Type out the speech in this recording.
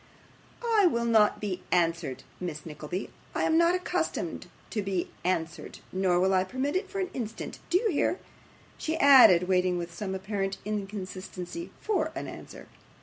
'I will not be answered, Miss Nickleby. I am not accustomed to be answered, nor will I permit it for an instant. Do you hear?' she added, waiting with some apparent inconsistency FOR an answer.